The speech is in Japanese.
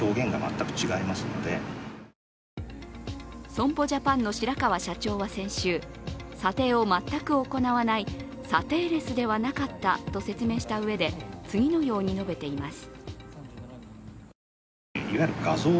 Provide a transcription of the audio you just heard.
損保ジャパンの白川社長は先週、査定を全く行わない査定レスではなかったと説明したうえで次のように述べています。